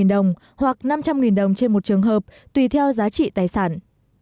ba trăm linh đồng hoặc năm trăm linh đồng trên một trường hợp tùy theo giá trị tài sản